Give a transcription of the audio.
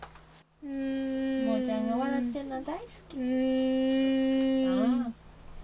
ももちゃん、笑ってるの大好き。